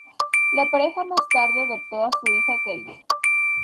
La pareja más tarde adoptó a su hija Kate.